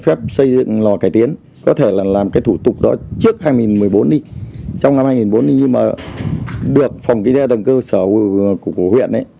phép xây dựng lò cải tiến có thể là làm cái thủ tục đó trước hai nghìn một mươi bốn đi trong năm hai nghìn một mươi bốn đi nhưng mà được phòng kinh doanh tầng cơ sở của huyện ấy